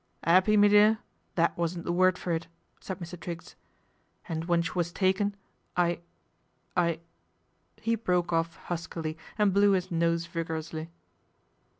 " 'Appy, me dear, that wasn't the word for it/ said Mr. Triggs. " And when she was taken, I I " he broke off huskily and blew his nos< vigorously.